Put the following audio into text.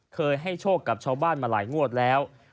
เคยให้โชคกับชาวบ้านมาหลายงวดแล้ว